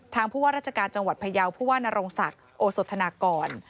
ผู้ว่าราชการจังหวัดพยาวผู้ว่านโรงศักดิ์โอสธนากร